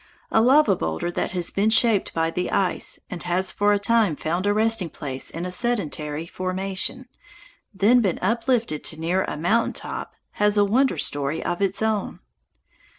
A lava boulder that has been shaped by the ice and has for a time found a resting place in a sedentary formation, then been uplifted to near a mountain top, has a wonder story of its own.